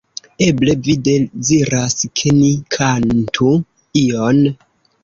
Eble vi deziras, ke ni kantu ion?